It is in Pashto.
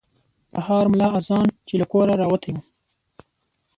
سهار ملا اذان چې له کوره راوتی یم.